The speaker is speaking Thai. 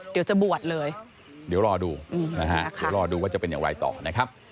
เดี๋ยวจะบวชเลยเดี๋ยวรอดูนะฮะเดี๋ยวรอดูว่าจะเป็นอย่างไรต่อนะครับ